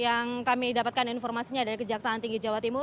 yang kami dapatkan informasinya dari kejaksaan tinggi jawa timur